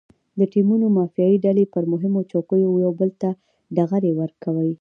د ټیمونو مافیایي ډلې پر مهمو چوکیو یو بل ته ډغرې ورکوي.